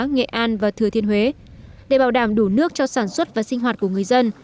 nghệ an và thừa thiên huế để bảo đảm đủ nước cho sản xuất và sinh hoạt của người dân